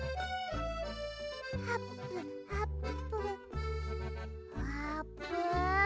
あぷあぷあーぷん？